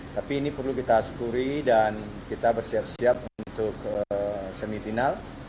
tapi ini perlu kita syukuri dan kita bersiap siap untuk semifinal